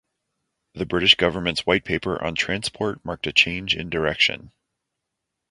The British Government's White Paper on Transport marked a change in direction.